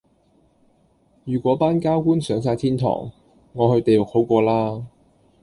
如果班膠官上哂天堂,我去地獄好過啦